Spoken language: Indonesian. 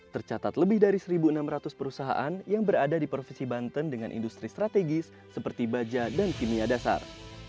tercatat lebih dari satu enam ratus perusahaan yang berada di provinsi banten dengan industri strategis seperti baja dan kimia dasar